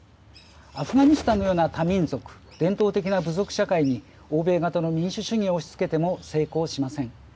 アフガニスタンのような多民族、伝統的な部族社会に欧米型の民主主義を押しつけても成功しません。